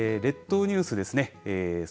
さあ列島ニュースですね。